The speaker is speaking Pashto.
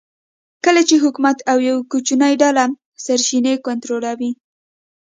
کله چې حکومت او یوه کوچنۍ ډله سرچینې کنټرولوي